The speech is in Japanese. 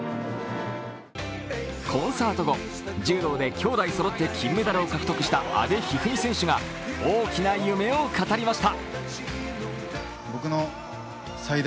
コンサート後、柔道で兄妹そろって金メダルを獲得した阿部一二三選手が大きな夢を語りました。